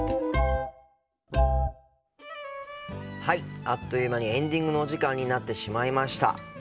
はいあっという間にエンディングのお時間になってしまいました。